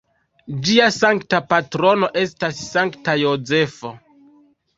Ĝia sankta patrono estas Sankta Jozefo.